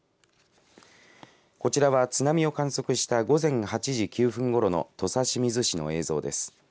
こちらは津波を観測した午前８時９分ごろの土佐清水市の映像です。